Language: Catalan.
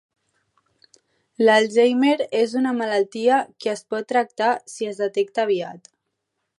L'Alzheimer és una malaltia que es pot tractar si es detecta aviat.